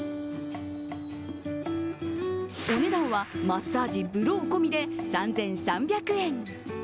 お値段はマッサージ、ブロー込みで３３００円。